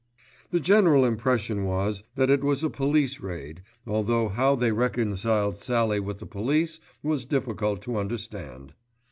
The general impression was that it was a police raid, although how they reconciled Sallie with the police was difficult to understand.